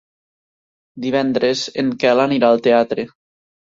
Divendres en Quel anirà al teatre.